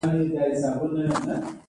نو دا دوه توکي په څه شي کې برابر دي؟